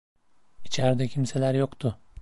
İçerde kimseler yoktu.